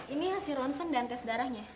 ini hasil ronsen dan tes darahnya